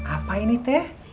apa ini teh